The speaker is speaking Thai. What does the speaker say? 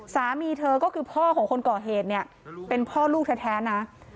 สามีเธอก็คือพ่อของคนก่อเหตุเนี่ยเป็นพ่อลูกแท้นะ